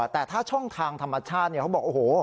แต่ถ้าช่องทางธรรมชาติเขาบอกโอ้โห